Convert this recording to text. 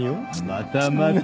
またまた。